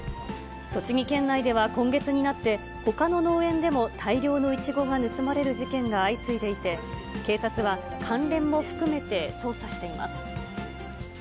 栃木県内では今月になって、ほかの農園でも大量のイチゴが盗まれる事件が相次いでいて、警察は関連も含めて捜査しています。